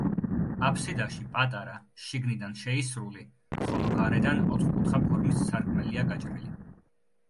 აფსიდაში პატარა, შიგნიდან შეისრული, ხოლო გარედან ოთხკუთხა ფორმის სარკმელია გაჭრილი.